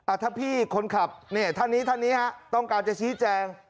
ถ้าพี่คนขับเนี่ยท่านนี้ท่านนี้ฮะต้องการจะชี้แจง